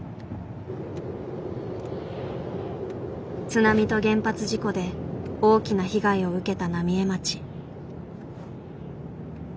津波と原発事故で大きな被害を受けた浪江町。